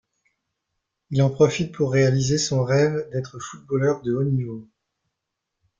Il en profite pour réaliser son rêve d'être footballeur de haut niveau.